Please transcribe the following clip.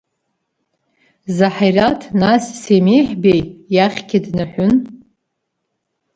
Заҳираҭ нас Семиҳ Беи иахьгьы днаҳәын…